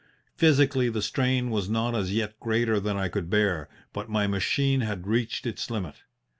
Physically, the strain was not as yet greater than I could bear, but my machine had reached its limit.